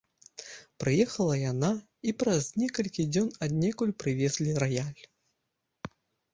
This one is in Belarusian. Прыехала яна, і праз некалькі дзён аднекуль прывезлі раяль.